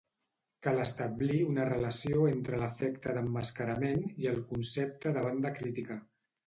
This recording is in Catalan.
Cal establir una relació entre l'efecte d'emmascarament i el concepte de banda crítica.